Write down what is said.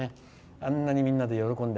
あんなにみんなで喜んで。